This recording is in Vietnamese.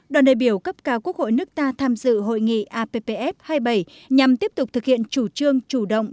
đoàn đại biểu cấp cao quốc hội nước ta tham dự hội nghị appf hai mươi bảy nhằm tiếp tục thực hiện chủ trương chủ động